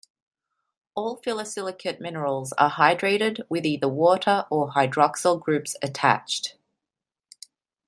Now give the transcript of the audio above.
All phyllosilicate minerals are hydrated, with either water or hydroxyl groups attached.